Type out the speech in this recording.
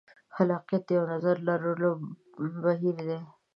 خلاقیت د یوه نظر لرلو بهیر دی.